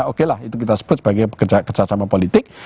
oke lah itu kita sebut sebagai kerjasama politik